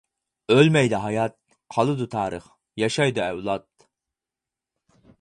ئۆلمەيدۇ ھايات، قالىدۇ تارىخ، ياشايدۇ ئەۋلاد.